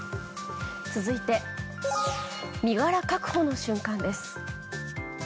続いて身柄確保の瞬間です。